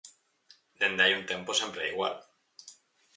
Dende hai un tempo sempre é igual.